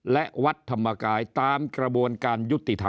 และวัดธรรมกายตามกระบวนการยุติธรรม